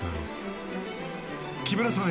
［木村さん